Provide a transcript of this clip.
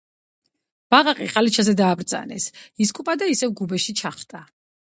ბაყაყი ხალიჩაზე დააბრძანეს, ისკუპა და ისევ გუბეში ჩახტა